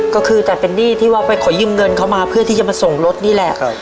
ก็คือแต่เป็นหนี้ที่ว่าไปขอยืมเงินเขามาเพื่อที่จะมาส่งรถนี่แหละ